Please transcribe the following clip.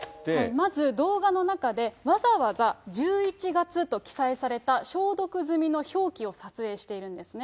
まず動画の中で、わざわざ１１月と記載された消毒済みの表記を撮影しているんですね。